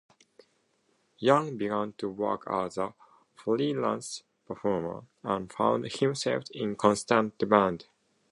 Young began to work as a freelance performer and found himself in constant demand.